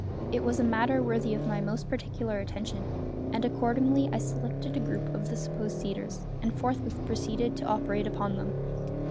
It was a matter worthy of my most particular attention; and accordingly I selected a group of the supposed cedars, and forthwith proceeded to operate upon them.